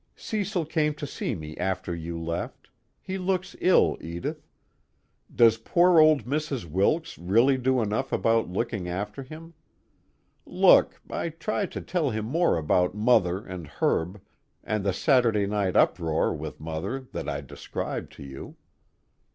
Cecil came to see me after you left he looks ill, Edith. Does poor old Mrs. Wilks really do enough about looking after him? Look I tried to tell him more about Mother and Herb, and the Saturday night uproar with Mother that I described to you.